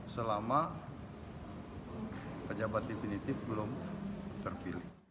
selama pejabat definitif belum terpilih